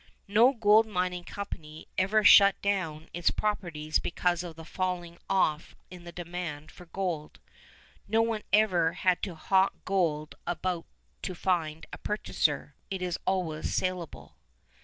No gold mining company ever shut down its properties because of the falling off in the demand for gold. No one ever had to hawk gold about to find a purchaser; it is always saleable.